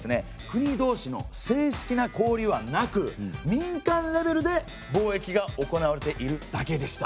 国同士の正式な交流はなく民間レベルで貿易が行われているだけでした。